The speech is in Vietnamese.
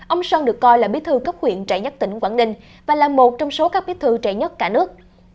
ông sơn được coi là bí thư cấp huyện trẻ nhất tỉnh quảng ninh và là một trong số các bí thư trẻ nhất cả nước